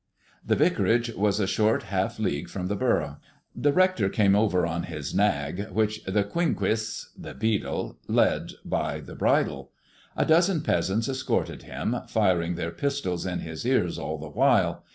The vicarage was a short half league from the borough. The rector came over on his nag, which the quinquiss (the beadle) led by the bridle. A dozen peasants escorted him, firing their pistols in his ears all the while.